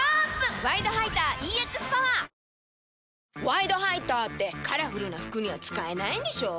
「ワイドハイター」ってカラフルな服には使えないんでしょ？